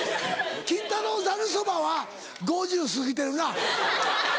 『金太郎』「ざるそば」は５０過ぎてるな。